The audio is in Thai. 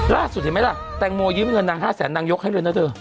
เห็นไหมล่ะแตงโมยืมเงินนาง๕แสนนางยกให้เลยนะเธอ